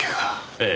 ええ。